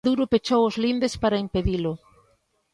Maduro pechou os lindes para impedilo.